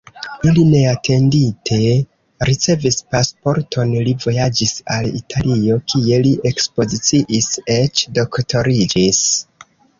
Li neatendite ricevis pasporton, li vojaĝis al Italio, kie li ekspoziciis, eĉ doktoriĝis.